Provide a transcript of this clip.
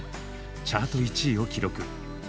チャート１位を記録。